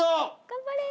頑張れ！